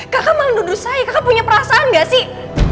kakak malah nuduh saya kakak punya perasaan gak sih